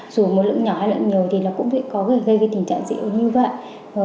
dù một lượng nhỏ hay một lượng nhiều thì nó cũng có gây về tình trạng dị ứng như vậy